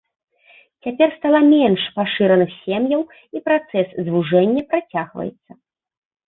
Цяпер стала менш пашыраных сем'яў, і працэс звужэння працягваецца.